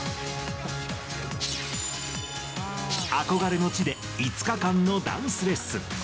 憧れの地で、５日間のダンスレッスン。